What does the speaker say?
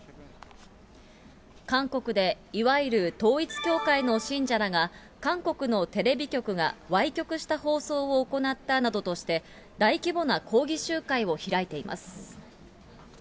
韓国でいわゆる統一教会の信者らが、韓国のテレビ局がわい曲した放送を行ったなどとして、大規模な抗議集会を開いています。